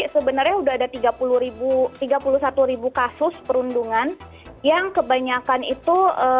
sebenarnya sudah ada tiga puluh satu ribu kasus perundungan yang kebanyakan itu